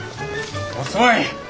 遅い！